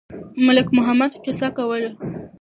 ملک محمد قصه کوله.